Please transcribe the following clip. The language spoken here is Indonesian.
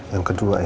yang kedua ya